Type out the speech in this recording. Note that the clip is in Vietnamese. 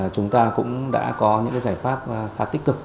chúng ta cũng đã có những giải pháp khá tích cực